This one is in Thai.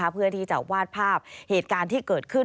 เพื่อที่จะวาดภาพเหตุการณ์ที่เกิดขึ้น